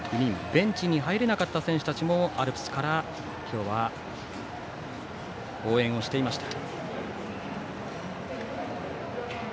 ベンチに入れなかった選手たちもアルプスから今日は応援をしていました。